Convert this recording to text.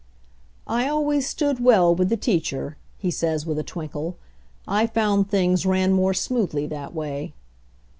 "I always stood well with the teacher," he says with a twinkle. "I found things ran more smoothly that way."